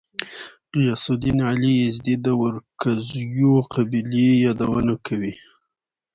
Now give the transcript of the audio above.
غیاث الدین علي یزدي د ورکزیو قبیلې یادونه کوي.